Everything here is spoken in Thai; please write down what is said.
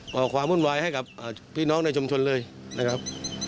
่อความวุ่นวายให้กับพี่น้องในชุมชนเลยนะครับ